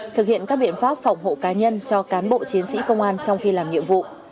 thực hiện các biện pháp phòng hộ cá nhân cho cán bộ chiến sĩ công an trong khi làm nhiệm vụ